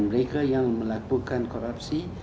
mereka yang melakukan korupsi